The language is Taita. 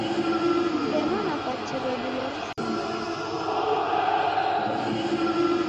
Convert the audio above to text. Sena napatire dilo risingie.